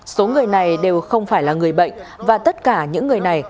số người này đều không phải là người bệnh và tất cả những người này